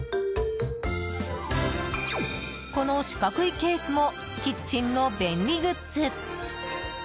この四角いケースもキッチンの便利グッズ。